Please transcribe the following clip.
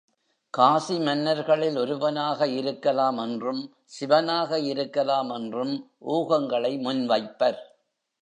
காசி மன்னர்களில் ஒருவனாக இருக்கலாம் என்றும் சிவனாக இருக்கலாமென்றும் ஊகங்களை முன்வைப்பர்.